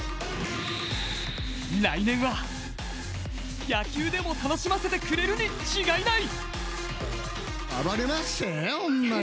来年は、野球でも楽しませてくれるに違いない！